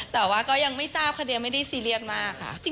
แต่ว่าก็ยังไม่ทราบคดีไม่ได้ซีเรียสมากค่ะ